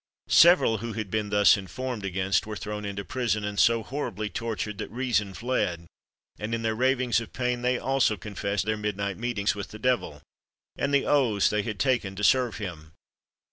Several who had been thus informed against were thrown into prison, and so horribly tortured, that reason fled, and in their ravings of pain they also confessed their midnight meetings with the devil, and the oaths they had taken to serve him.